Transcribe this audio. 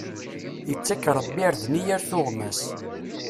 Ittak Rebbi irden i yir tuɣmas.